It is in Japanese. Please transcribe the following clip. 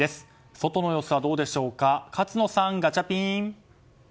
外の様子はどうでしょうか勝野さん、ガチャピン！